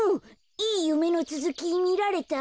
いいゆめのつづきみられた？